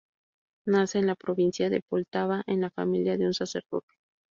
Nace en la provincia de Poltava, en la familia de un sacerdote.